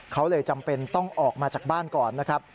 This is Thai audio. เขาเลยจำเป็นต้องออกมาจากบ้านก่อนนะครับ